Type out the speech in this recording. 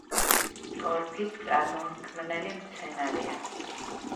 ტორფის წარმომქმნელი მცენარეა.